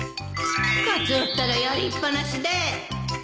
カツオったらやりっぱなしで